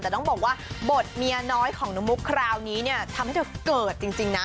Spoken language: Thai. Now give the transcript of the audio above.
แต่ต้องบอกว่าบทเมียน้อยของน้องมุกคราวนี้เนี่ยทำให้เธอเกิดจริงนะ